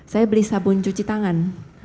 saya beli sabun cuci tangan